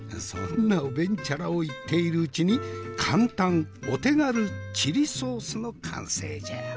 そんなおべんちゃらを言っているうちに簡単お手軽チリソースの完成じゃ。